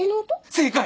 正解。